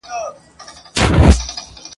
« خدای دي نه ورکوي خره لره ښکرونه !.